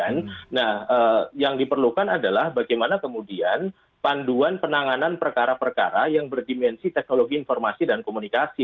nah yang diperlukan adalah bagaimana kemudian panduan penanganan perkara perkara yang berdimensi teknologi informasi dan komunikasi